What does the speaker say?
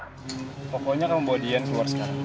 pokoknya kamu bawa dian keluar sekarang